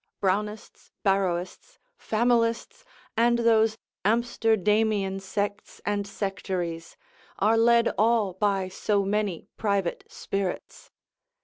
Brownists, Barrowists, Familists, and those Amsterdamian sects and sectaries, are led all by so many private spirits.